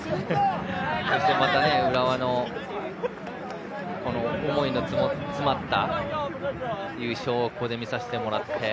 そして、また浦和の思いの詰まった優勝をここで見させてもらって。